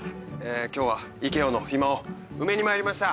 今日はイケ王のヒマを埋めにまいりました。